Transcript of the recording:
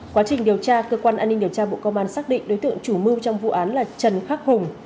quá trình điều tra cơ quan an ninh điều tra bộ công an xác định đối tượng chủ mưu trong vụ án là trần khắc hùng